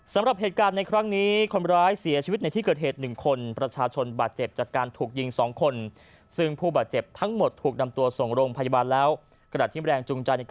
สำหรับเหตุการณ์ในครั้งนี้คนร้ายเสียชีวิตในที่เกิดเหตุ๑คน